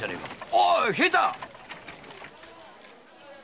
おおい平太！